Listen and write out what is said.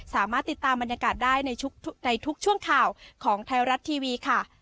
สามารถติดตามบรรยากาศได้ในทุกช่วงข่าวของไทยรัฐทีวีค่ะ